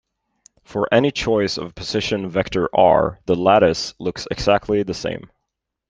For any choice of position vector R, the lattice looks exactly the same.